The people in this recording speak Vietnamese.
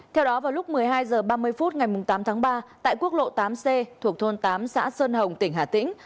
theo đó vào lúc một mươi hai h ba mươi phút ngày tám tháng ba tại quốc lộ tám c thuộc thôn tám xã sơn hồng tỉnh hà tĩnh